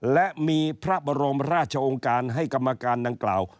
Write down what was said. และมีพระบรมราชองค์การให้กรรมการดังกล่าว